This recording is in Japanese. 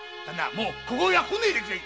もうここには来ないでくれ！